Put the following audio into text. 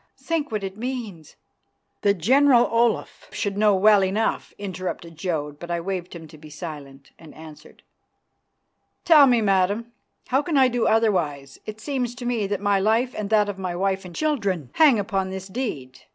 Think what it means " "The General Olaf should know well enough," interrupted Jodd, but I waved him to be silent, and answered, "Tell me, Madam, how can I do otherwise? It seems to me that my life and that of my wife and children hang upon this deed.